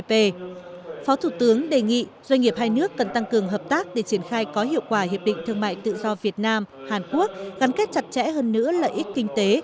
phó thủ tướng đề nghị doanh nghiệp hai nước cần tăng cường hợp tác để triển khai có hiệu quả hiệp định thương mại tự do việt nam hàn quốc gắn kết chặt chẽ hơn nữa lợi ích kinh tế